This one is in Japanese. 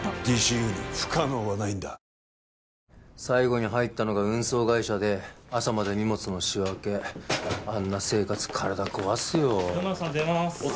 最後に入ったのが運送会社で朝まで荷物の仕分けあんな生活体壊すよ４０３出ます